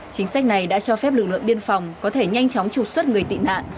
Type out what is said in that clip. chính sách này đã cho phép lực lượng biên phòng có thể nhanh chóng trục xuất người tị nạn